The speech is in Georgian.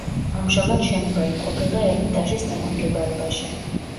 ამჟამად შენობა იმყოფება ერმიტაჟის დაქვემდებარებაში.